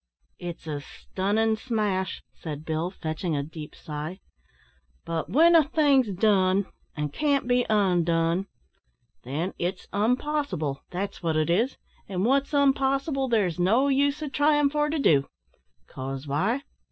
"It's a stunnin' smash," said Bill, fetching a deep sigh. "But w'en a thing's done, an' can't be undone, then it's unpossible, that's wot it is; and wot's unpossible there's no use o' tryin' for to do. 'Cause why?